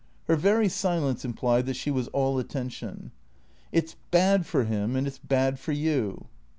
Her very silence implied that she was all attention. " It 's bad for him and it 's bad for you."